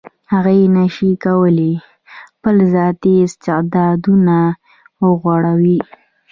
هغه نشي کولای خپل ذاتي استعدادونه وغوړوي.